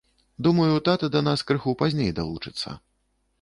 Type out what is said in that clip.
Думаю, тата да нас крыху пазней далучыцца.